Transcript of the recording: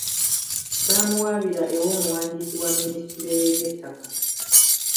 Baamuwaabira ew’omuwandiisi wa minisitule y’ebyettaka